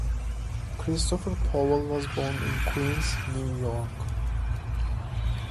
Christopher Powell was born in Queens, New York.